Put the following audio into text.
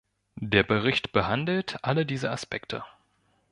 Der Bericht behandelt alle diese Aspekte.